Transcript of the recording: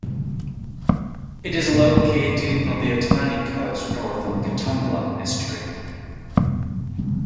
It is located on the Atlantic Coast north of Catumbela Estuary.